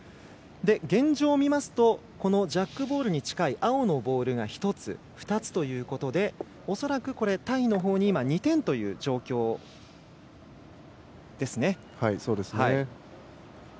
現状を見ますとジャックボールに近い青のボールが２つということで恐らく、タイのほうに２点という状況です。